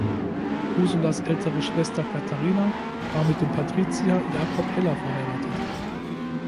Ursulas ältere Schwester Katharina war mit dem Patrizier "Jakob Heller" verheiratet.